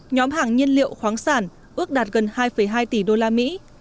nhóm hàng nhiên liệu khoáng sản ước đạt gần hai hai tỷ đô la mỹ